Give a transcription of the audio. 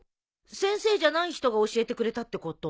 先生じゃない人が教えてくれたってこと？